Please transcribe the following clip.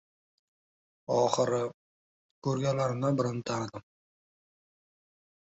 Oxiri, ko‘rganlarimdan birovini tanidim.